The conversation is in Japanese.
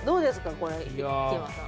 これ檜山さん。